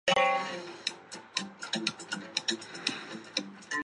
镰谷市是千叶县西北部的一市。